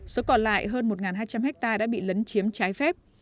số còn lại hơn một hai trăm linh hectare đã bị lấn chiếm trái phép